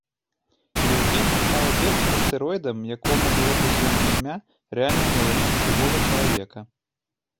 Яўгенія стала першым астэроідам, якому было прысвоена імя рэальнага яшчэ жывога чалавека.